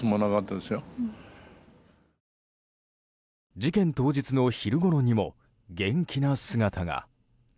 事件当日の昼ごろにも元気な姿が。